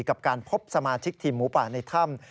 กับการพบสมาชิกทีมหมูป่าในถ้ำ